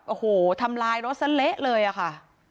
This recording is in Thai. โอ้โหทำลายรถซะเละเลยอะค่ะ